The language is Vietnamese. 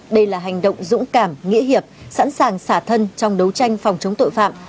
đây là hành động dũng cảm nghĩa hiệp sẵn sàng xả thân trong đấu tranh phòng chống tội phạm